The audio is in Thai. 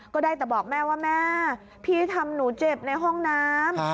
ก็ได้แต่บอกแม่ว่าแม่พี่ทำหนูเจ็บในห้องน้ำ